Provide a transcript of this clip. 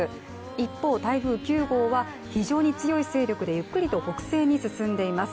一方、台風９号は非常に強い勢力でゆっくりと北西に進んでいます。